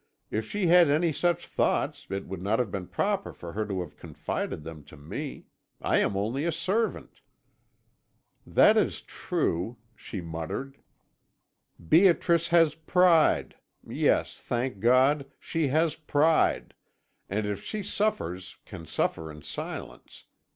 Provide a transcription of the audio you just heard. If she had any such thoughts it would not have been proper for her to have confided them to me. I am only a servant.' "'That is true,' she muttered. 'Beatrice has pride yes, thank God, she has pride, and if she suffers can suffer in silence.